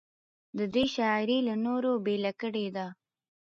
د ده شاعري له نورو بېله کړې ده.